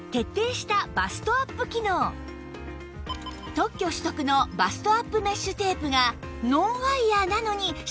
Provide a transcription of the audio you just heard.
特許取得のバストアップメッシュテープがノンワイヤなのにしっかり胸を支えます